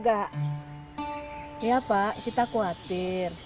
ya pak kita khawatir